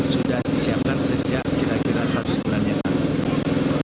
sudah disiapkan sejak kira kira satu bulan yang lalu